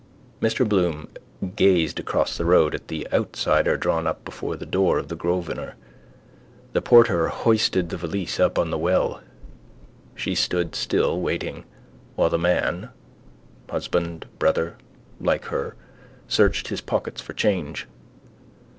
Mr Bloom gazed across the road at the outsider drawn up before the door of the Grosvenor. The porter hoisted the valise up on the well. She stood still, waiting, while the man, husband, brother, like her, searched his pockets for change.